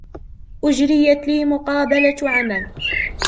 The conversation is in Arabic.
أجريتْ لي مقابلة عمل.